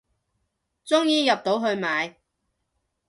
終於入到去買